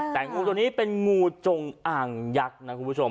แต่งูตัวนี้เป็นงูจงอ่างยักษ์นะคุณผู้ชม